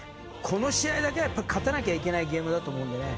この試合だけはやっぱり勝たなきゃいけないゲームだと思うんでね。